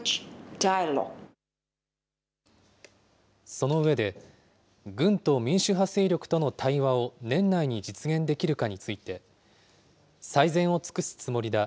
その上で、軍と民主派勢力との対話を年内に実現できるかについて、最善を尽くすつもりだ。